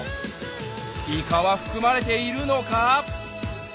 イカは含まれているのか？